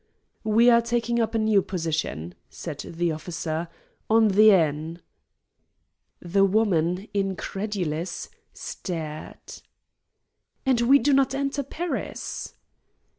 "We are taking up a new position," said the officer, "on the Aisne." The woman, incredulous, stared. "And we do not enter Paris?"